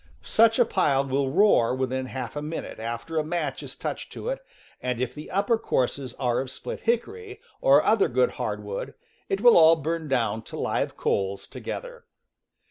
Such a pile will roar within half a minute after a match is touched to it, and if the upper courses are of split hickory, or other good hardwood, it will all burn down to live coals together.